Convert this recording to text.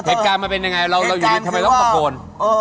เหตุการณ์มันเป็นยังไงเราอยู่ดีทำไมต้องตะโกน